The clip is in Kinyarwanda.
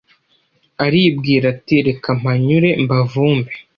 aribwira ati reka mpanyure mbavumbe